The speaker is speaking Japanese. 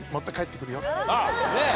あっねえ。